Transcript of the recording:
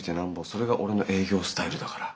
それが俺の営業スタイルだから。